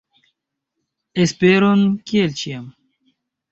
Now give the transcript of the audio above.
Esperon, kiel ĉiam!